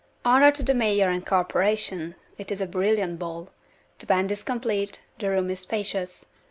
Honor to the Mayor and Corporation! It is a brilliant ball. The band is complete. The room is spacious.